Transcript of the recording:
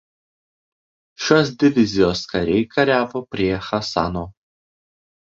Šios divizijos kariai kariavo prie Chasano.